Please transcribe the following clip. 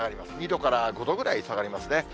２度から５度くらい下がりますね。